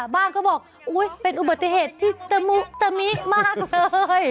เขาบอกอุ๊ยเป็นอุบัติเหตุที่ตะมุตะมิมากเลย